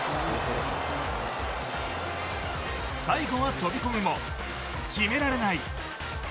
最後は飛び込むも決められない。